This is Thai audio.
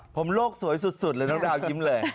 ผมโลกสวยสุดเลยน้องดาวยิ้มเลย